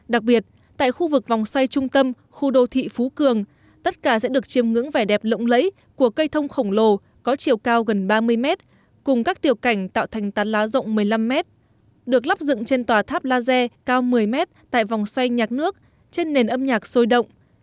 đặc biệt tại khu vực vòng xoay trung tâm khu đô thị phú cường tất cả sẽ được chiêm ngưỡng vẻ đẹp lộng lẫy của cây thông khổng lồ có chiều cao gần ba mươi mét cùng các tiểu cảnh tạo thành tán lá rộng một mươi năm mét được lắp dựng trên tòa tháp lazer cao một mươi mét tại vòng xoay nhạc nước trên nền âm nhạc sôi động